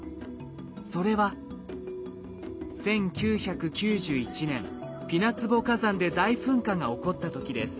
それは１９９１年ピナツボ火山で大噴火が起こった時です。